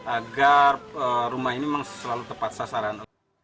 agar rumah ini memang selalu tepat sasaran